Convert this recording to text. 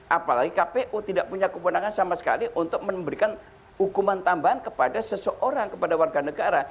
apalagi kpu tidak punya kewenangan sama sekali untuk memberikan hukuman tambahan kepada seseorang kepada warga negara